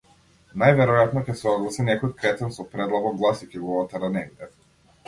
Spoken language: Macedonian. Најверојатно ќе се огласи некој кретен со предлабок глас и ќе го отера негде.